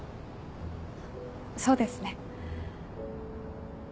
そうですね。